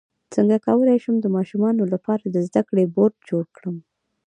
څنګه کولی شم د ماشومانو لپاره د زده کړې بورډ جوړ کړم